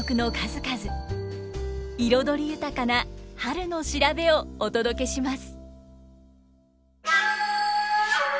彩り豊かな春の調べをお届けします。